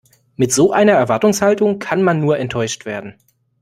Mit so einer Erwartungshaltung kann man nur enttäuscht werden.